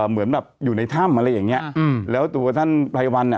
เหมือนแบบอยู่ในถ้ำอะไรอย่างเงี้ยอืมแล้วตัวท่านไพรวันอ่ะ